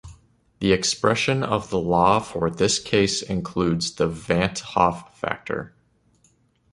The expression of the law for this case includes the van 't Hoff factor.